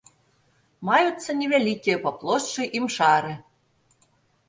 Маюцца невялікія па плошчы імшары.